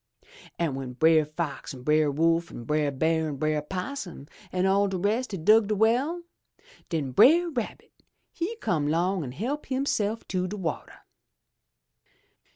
An' w'en Brer Fox an' Brer Wolf an' Brer Bear an' Brer 'Possum an' all de rest had dug de well, den Brer Rabbit he come 'long an' help hisself to de wateh.